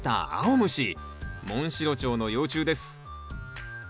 モンシロチョウの幼虫です。